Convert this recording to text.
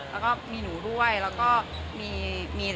และมีหนูด้วยและก็มีอีกหลายคน